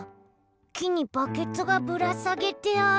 きにバケツがぶらさげてある。